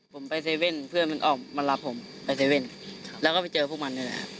ผมไปเซเว่นเพื่อนมันออกมารับผมไปเซเว่นแล้วก็ไปเจอพวกมันนี่แหละครับ